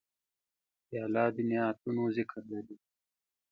پیاله د نعتونو ذکر لري.